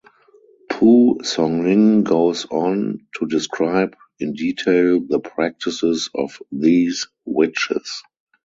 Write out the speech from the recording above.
Pu Songling goes on to describe in detail the practices of these witches.